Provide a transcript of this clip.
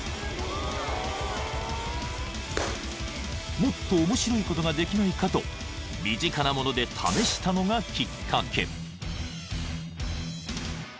［もっと面白いことができないかと身近なもので試したのがきっかけ］